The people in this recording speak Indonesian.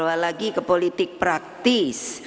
bawa lagi ke politik praktis